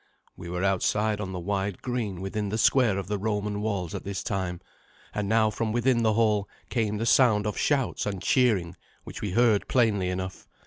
We were outside on the wide green within the square of the Roman walls at this time, and now from within the hall came the sound of shouts and cheering which we heard plainly enough.